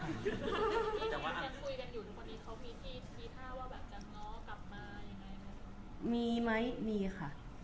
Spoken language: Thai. แต่ทำตัวเด็กก็ไม่ไหวเหมือนกันนะครับแต่ว่าคุยกันอยู่ทุกคนนี้เขามีที่ทีท่าว่าแบบจะน้องกลับมายังไง